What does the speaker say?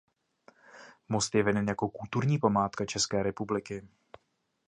Most je veden jako kulturní památka České republiky.